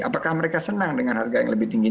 apakah mereka senang dengan harga yang lebih tinggi